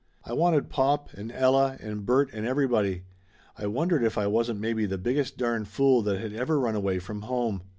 I wanted pop and Ella and Bert and everybody. I wondered if I wasn't maybe the biggest darn fool that had ever run away from home.